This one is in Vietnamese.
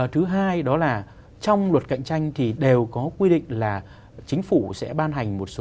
thứ hai đó là trong luật cạnh tranh thì đều có quy định là chính phủ sẽ ban hành một số